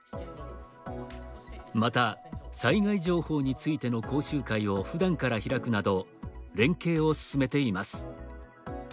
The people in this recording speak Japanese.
また、災害情報についての講習会をふだんから開くなど連携を進めています。